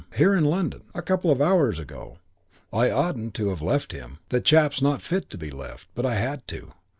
Here, in London. A couple of hours ago. I oughtn't to have left him. The chap's not fit to be left. But I had to.